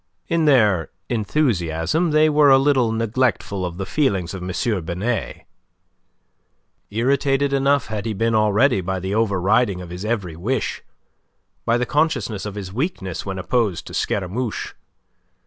In their enthusiasm they were a little neglectful of the feelings of M. Binet. Irritated enough had he been already by the overriding of his every wish, by the consciousness of his weakness when opposed to Scaramouche.